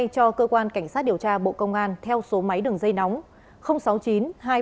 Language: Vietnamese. cảm ơn các bạn đã theo dõi